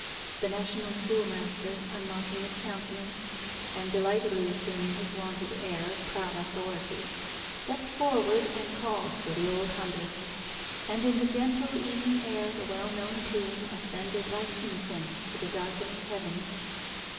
The national schoolmaster, unlocking his countenance, and delightedly assuming his wonted air of proud authority, stepped forward and called for the Old Hundredth; and in the gentle evening air the well known tune ascended like incense to the darkening heavens.